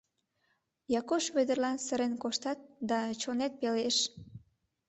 — Якуш Вӧдырлан сырен коштат да, чонет пелеш.